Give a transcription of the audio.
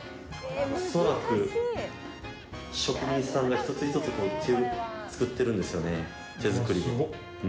恐らく職人さんが作ってるんですよね、手作りで。